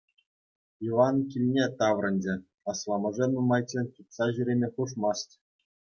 Иван килне таврӑнчӗ: асламӑшӗ нумайччен чупса ҫӳреме хушмасть.